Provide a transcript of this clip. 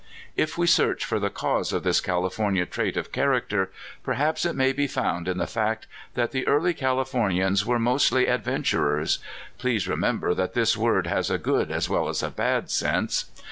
If we search for the cause of this Californian trait of character, perhaps it may be found in the fact that the early Californians were mostly ad venturers. (Please remember that this word has a good as well as a bad sense.)